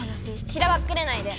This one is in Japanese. しらばっくれないで！